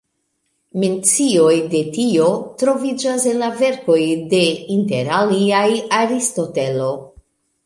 Mencioj de tio troviĝas en la verkoj de inter aliaj Aristotelo.